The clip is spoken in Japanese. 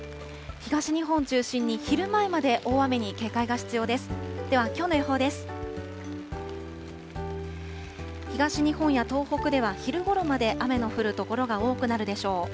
東日本や東北では昼ごろまで雨の降る所が多くなるでしょう。